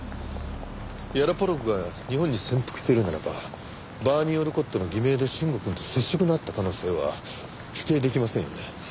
ヤロポロクが日本に潜伏しているならばバーニー・オルコットの偽名で臣吾くんと接触のあった可能性は否定出来ませんよね。